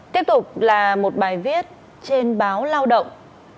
tiếp tục là một bài viết trên báo lao động